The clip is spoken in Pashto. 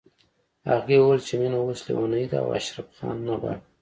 هغې ويل چې مينه اوس ليونۍ ده او اشرف خان نه غواړي